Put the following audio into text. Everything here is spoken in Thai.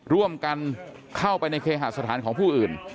ร่วมกันเข้าไปในเคหาสถานของผู้อื่น